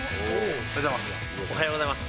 おはようございます。